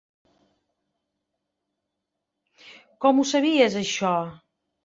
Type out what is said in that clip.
Com ho sabies, això?